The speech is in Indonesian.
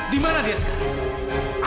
dimana dia sekarang